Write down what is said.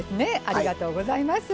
ありがとうございます。